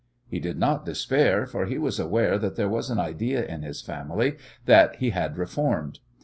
He did not despair, for he was aware that there was an idea in his family that he had reformed.